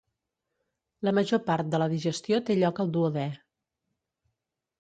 La major part de la digestió té lloc al duodè.